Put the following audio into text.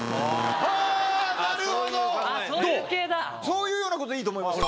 そういうようなことでいいと思います。